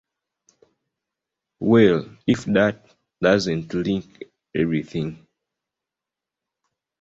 Well, if that doesn't lick everything!